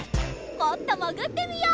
もっともぐってみよう！